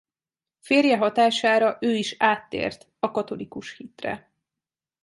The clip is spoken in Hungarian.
Férje hatására ő is áttért a katolikus hitre.